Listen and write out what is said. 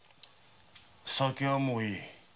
酒はもういい。